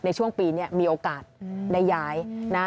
ในช่วงปีนี้มีโอกาสได้ย้ายนะ